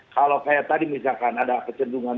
kalau kayak tadi misalkan ada kecenderungan